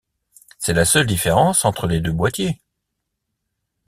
C'est la seule différence entre les deux boîtiers.